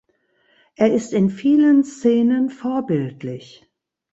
Er ist in vielen Szenen vorbildlich.